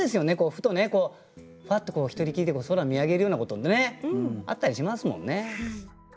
ふとねふわっと一人きりで空見上げるようなことってねあったりしますもんね。